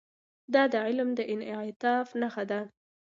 دا د علم د انعطاف نښه ده.